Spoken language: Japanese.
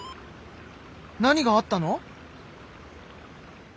何があったの？